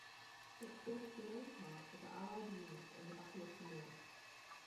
It formed the main part of the Allied units in the Battle of Timor.